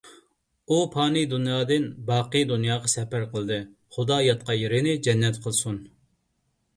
ئۇ پانىي دۇنيادىن باقىي دۇنياغا سەپەر قىلدى. خۇدا ياتقان يېرىنى جەننەت قىلسۇن.